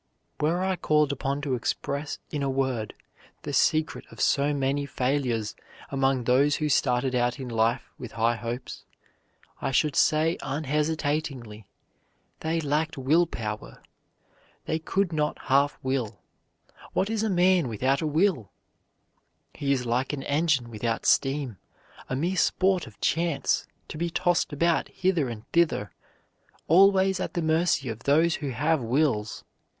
Were I called upon to express in a word the secret of so many failures among those who started out in life with high hopes, I should say unhesitatingly, they lacked will power. They could not half will. What is a man without a will? He is like an engine without steam, a mere sport of chance, to be tossed about hither and thither, always at the mercy of those who have wills.